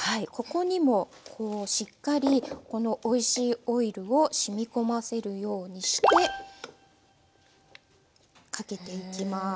ここにもしっかりこのおいしいオイルを染み込ませるようにしてかけていきます。